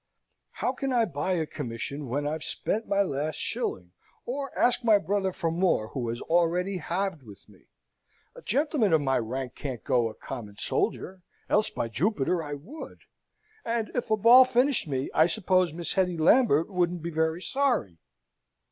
How can I buy a commission when I've spent my last shilling, or ask my brother for more who has already halved with me? A gentleman of my rank can't go a common soldier else, by Jupiter, I would! And if a ball finished me, I suppose Miss Hetty Lambert wouldn't be very sorry.